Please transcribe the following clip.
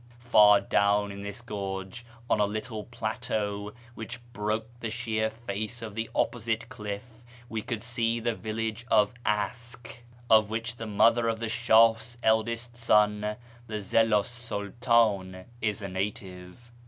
Far down in this gorge, on a little plateau which broke the sheer face of the opposite cliff, we could see the village of Ask, of which the mother of the Shah's eldest son, the Zillu 's SuUdn, is a native.